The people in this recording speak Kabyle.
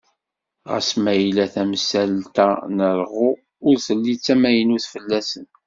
Ɣas mayella tamsalt-a n rɣu ur telli d tamaynut fell-asen.